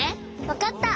わかった！